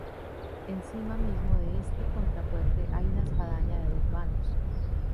Encima mismo de este contrafuerte hay una espadaña de dos vanos.